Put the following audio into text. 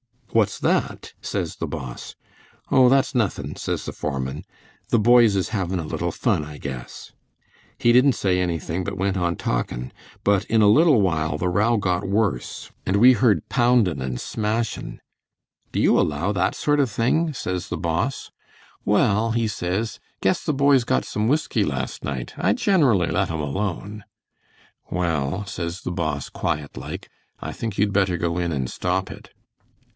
'What's that?' says the Boss. 'O, that's nothin',' says the foreman; 'the boys is havin' a little fun, I guess.' He didn't say anything, but went on talkin', but in a little while the row got worse, and we heard poundin' and smashin'. 'Do you allow that sort of thing?' says the Boss. 'Well,' he says, 'Guess the boys got some whiskey last night. I generally let 'em alone.' 'Well,' says the Boss, quiet like, 'I think you'd better go in and stop it.'